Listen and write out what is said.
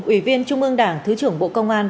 ủy viên trung ương đảng thứ trưởng bộ công an